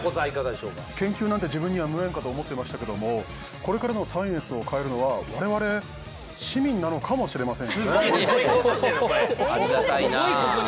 研究なんて自分には無縁かと思っていましたがこれからのサイエンスを変えるのは我々、市民なのかもしれません。